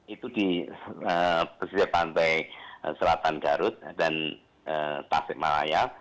itu di pesisir pantai selatan garut dan tasik malaya